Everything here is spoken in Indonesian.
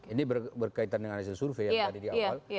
ini berkaitan dengan hasil survei yang tadi di awal